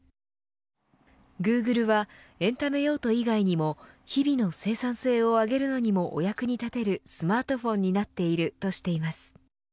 Ｇｏｏｇｌｅはエンタメ用途以外にも日々の生産性を上げるのにもお役に立てるスマートフォンになっているとしています。